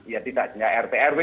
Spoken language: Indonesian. ya tidak hanya rt rw